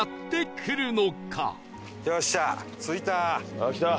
ああ来た！